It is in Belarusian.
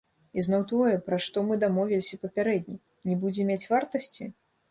Ізноў тое, пра што мы дамовіліся папярэдне, не будзе мець вартасці?